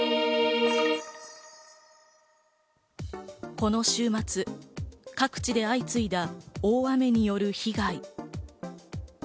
この週末、各地で相次いだ大雨による被害。